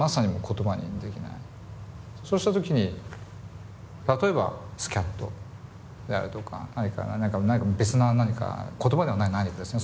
そうした時に例えばスキャットであるとか何か別な何か言葉ではない何かですね。